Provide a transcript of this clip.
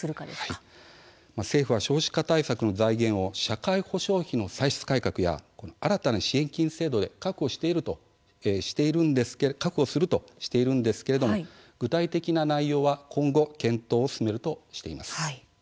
政府は少子化対策の財源を社会保障費の歳出改革や新たな支援金制度で確保するとしているんですが具体的な内容は今後検討を進めるとしています。